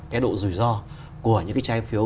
cái độ rủi ro của những cái trái phiếu